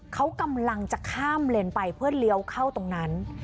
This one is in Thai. เขากำลังจะข้ามเลนไปเพื่อเลี้ยวเข้าตรงนั้น